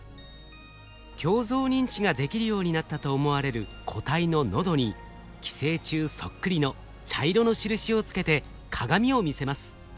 鏡像認知ができるようになったと思われる個体の喉に寄生虫そっくりの茶色の印をつけて鏡を見せます。